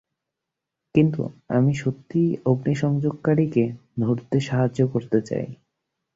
কিন্তু, আমি সত্যিই অগ্নিসংযোগকারীকে ধরতে সাহায্য করতে চাই।